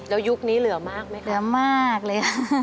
แล้วยุคนี้เหลือมากไหมคะเหลือมากเลย